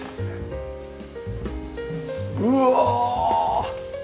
うわ！